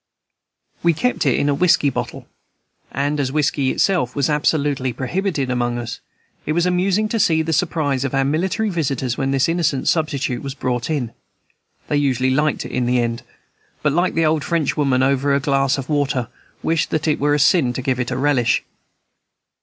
We kept it in a whiskey bottle; and as whiskey itself was absolutely prohibited among us, it was amusing to see the surprise of our military visitors when this innocent substitute was brought in. They usually liked it in the end, but, like the old Frenchwoman over her glass of water, wished that it were a sin to give it a relish.